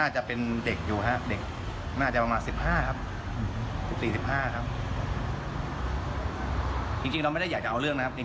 จริงเราไม่ได้อยากจะเอาเรื่องนะครับ